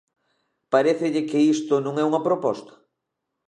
¿Parécelle que isto non é unha proposta?